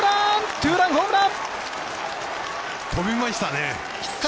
ツーランホームラン！